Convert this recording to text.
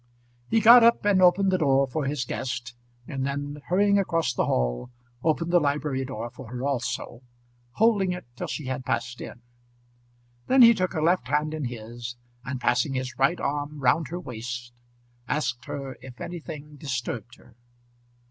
He got up and opened the door for his guest, and then hurrying across the hall, opened the library door for her also, holding it till she had passed in. Then he took her left hand in his, and passing his right arm round her waist, asked her if anything disturbed her.